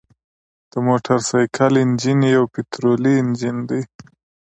د موټرسایکل انجن یو پطرولي انجن دی.